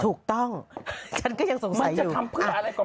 ถูกต้องฉันก็ยังสงสัยมันจะทำเพื่ออะไรก่อน